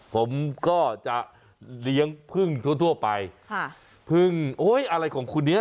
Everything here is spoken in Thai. ผมก็จะเลี้ยงพึ่งทั่วไปค่ะพึ่งโอ้ยอะไรของคุณเนี้ย